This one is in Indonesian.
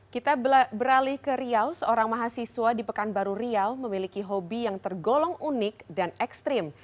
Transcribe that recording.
kita beralih ke riau seorang mahasiswa di pekanbaru riau memiliki hobi yang tergolong unik dan ekstrim